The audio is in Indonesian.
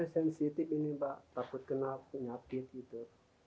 ulatnya sensitif ini mbak takut kena penyapit gitu